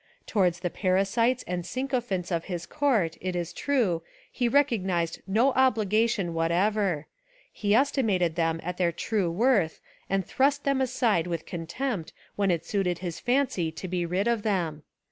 Towards the parasites and sycophants of his court, it is true, he rec ognised no obligation whatever: he estimated them at their true worth and thrust them aside with contempt when it suited his fancy to be rid of them.